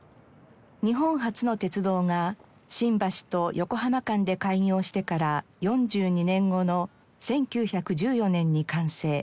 日本初の鉄道が新橋と横浜間で開業してから４２年後の１９１４年に完成。